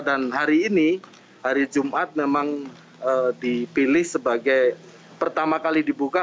dan hari ini hari jumat memang dipilih sebagai pertama kali dibuka